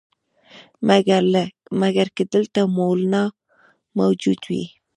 مګر که دلته مولنا موجود وي.